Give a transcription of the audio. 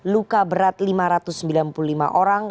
luka berat lima ratus sembilan puluh lima orang